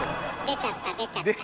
出ちゃった出ちゃった。